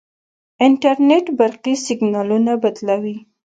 انټرنیټ برقي سیګنالونه بدلوي.